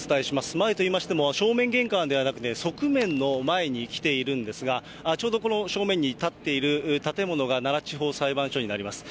前と言いましても、正面玄関ではなくて、側面の前に来ているんですが、ちょうどこの正面に建っている建物が奈良地方裁判所になります。